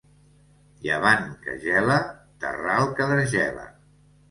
Llevant que gela, terral que desgela.